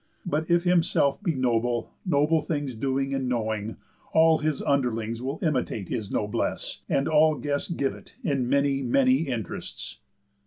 But if himself be noble—noble things Doing and knowing—all his underlings Will imitate his noblesse, and all guests Give it, in many, many interests."